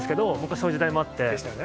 そういう時代もあって。